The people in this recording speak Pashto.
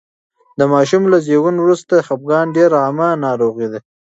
د ماشوم له زېږون وروسته خپګان ډېره عامه ناروغي ده.